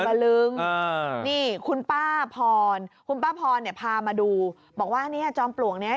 ตะลึงนี่คุณป้าพรคุณป้าพรเนี่ยพามาดูบอกว่าเนี่ยจอมปลวกเนี้ย